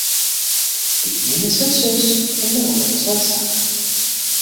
De iene seit sus en de oare seit sa.